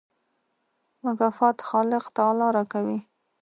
مکافات خالق تعالی راکوي.